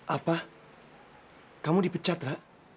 apa kamu dipecat ra